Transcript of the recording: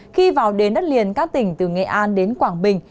khi vào đến đất liền các tỉnh từ nghệ an đến quảng bình